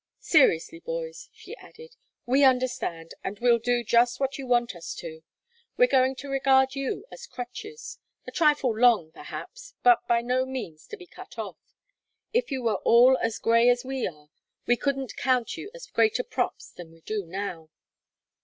"Seriously, boys," she added, "we understand, and we'll do just what you want us to. We're going to regard you as crutches a trifle long, perhaps, but by no means to be cut off. If you were all as Grey as we are, we couldn't count you greater props than we do now.